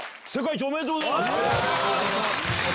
ありがとうございます！